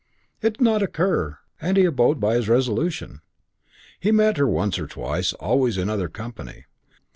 It did not occur, and he abode by his resolution. He met her once or twice, always in other company.